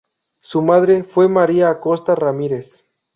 Su madre fue María Acosta Ramírez.